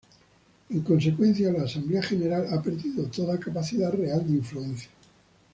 En consecuencia, la Asamblea General ha perdido toda capacidad real de influencia.